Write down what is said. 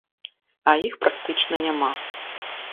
А іх практычна няма.